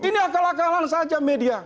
ini akal akalan saja media